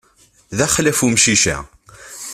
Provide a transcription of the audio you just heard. D axlaf umcic-a.